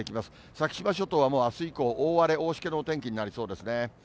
先島諸島はあす以降、大荒れ、大しけのお天気になりそうですね。